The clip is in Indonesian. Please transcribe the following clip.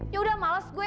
yaudah males gue